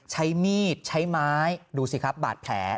ใช้มีดใช้ไม้ดูสิครับบาดแผล